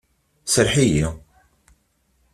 Serreḥ-iyi!